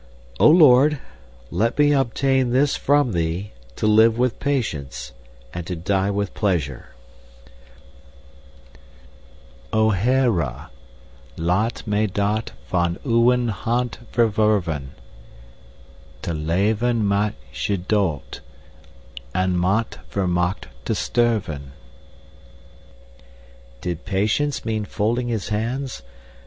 "O Lord, let me obtain this from Thee To live with patience, and to die with pleasure! *{O Heere! laat my daat van uwen hand verwerven, Te leven met gedult, en met vermaak te sterven.} "Did patience mean folding his hands?